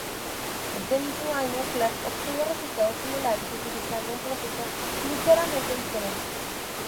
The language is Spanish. Ese mismo año Clark obtuvo resultados similares utilizando un proceso ligeramente diferente.